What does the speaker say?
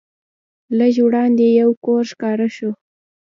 لږ وړاندې یو کور ښکاره شو.